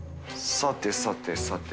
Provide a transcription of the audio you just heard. さてさてさて。